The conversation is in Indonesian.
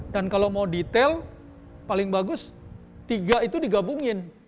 dan kalau mau detail paling bagus tiga itu digabungin